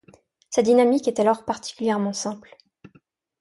Sa dynamique est alors particulièrement simple.